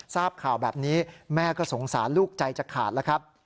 ทราบข่าวแบบนี้แม่ก็สงสารลูกใจจะขาดแล้วครับ